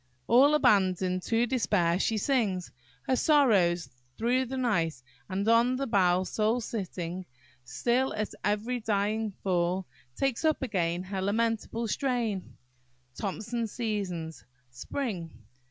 "All abandoned to despair, she sings Her sorrows through the night; and on the bough Sole sitting, still at every dying fall Takes up again her lamentable strain." THOMSON'S Seasons–Spring.